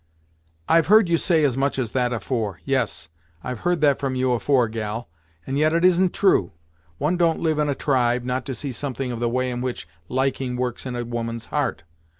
"I've heard you say as much as that afore; yes, I've heard that from you, afore, gal, and yet it isn't true. One don't live in a tribe, not to see something of the way in which liking works in a woman's heart.